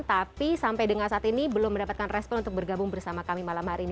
tapi sampai dengan saat ini belum mendapatkan respon untuk bergabung bersama kami malam hari ini